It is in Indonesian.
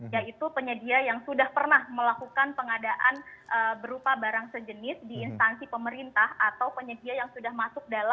yaitu penyedia yang sudah pernah melakukan pengadaan berupa barang sejenis di instansi pemerintah atau penyedia yang sudah masuk dalam